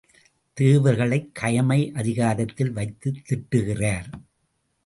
தேவர்களைக் கயமை அதிகாரத்தில் வைத்துத் திட்டுகிறார்.